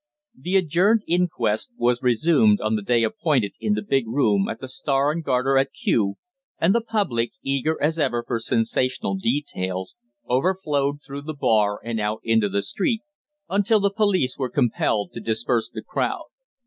The adjourned inquest was resumed on the day appointed in the big room at the Star and Garter at Kew, and the public, eager as ever for sensational details, overflowed through the bar and out into the street, until the police were compelled to disperse the crowd.